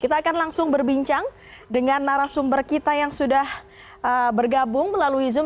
kita akan langsung berbincang dengan narasumber kita yang sudah bergabung melalui zoom